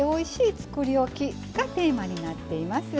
つくりおき」がテーマになっています。